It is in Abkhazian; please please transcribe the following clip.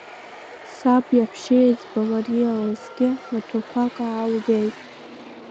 Саб иаҳәшьеиҵба Мариа лзгьы маҭәақәак аалгеит.